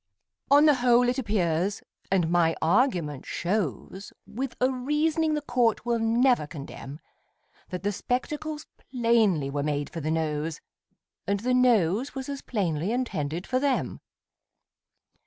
On the whole it appears, and my argument shows With a reasoning the court will never condemn, That the spectacles plainly were made for the Nose, And the Nose was as plainly intended for them.